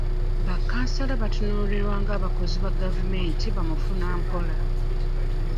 Bakansala batunuulirwa ng'abakozi ba gavumenti bamufuna mpola.